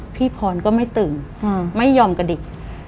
พี่พรก็ไม่ตื่นไม่ยอมกระดิก